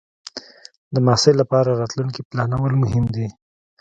د محصل لپاره راتلونکې پلانول مهم دی.